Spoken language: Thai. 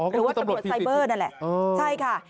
หรือว่าตำรวจไซเบอร์นั่นแหละใช่ค่ะ